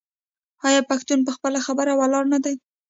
آیا پښتون په خپله خبره ولاړ نه دی؟